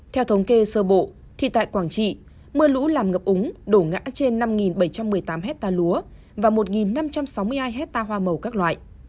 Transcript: theo thống kê sơ bộ thì tại quảng trị mưa lũ làm ngập úng đổ ngã trên năm bảy trăm một mươi tám hectare lúa và một năm trăm sáu mươi hai hectare hoa màu các loại